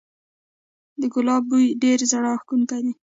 د ګلاب بوی ډیر زړه راښکونکی دی